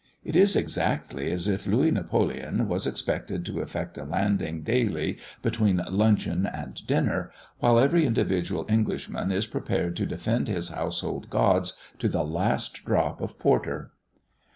It is exactly as if Louis Napoleon was expected to effect a landing daily between luncheon and dinner, while every individual Englishman is prepared to defend his household gods to the last drop of porter.